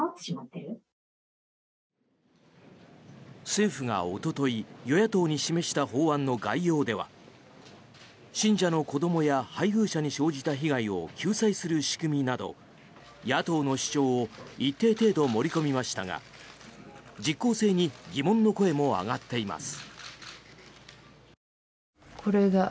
政府がおととい与野党に示した法案の概要では信者の子どもや配偶者に生じた被害を救済する仕組みなど野党の主張を一定程度盛り込みましたが実効性に疑問の声も上がっています。